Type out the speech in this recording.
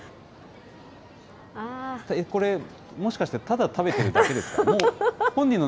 これ、もしかして、ただ食べてるだけですか。